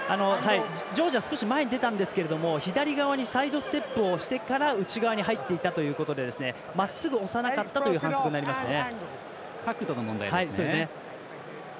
ジョージア、少し前に出たんですけれども左側にサイドステップをしてから内側に入ったということでまっすぐ押さなかったという反則になりますね。